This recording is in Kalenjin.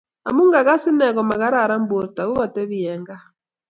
amun kakas ine ko makararan borto ko katebi eng' gaa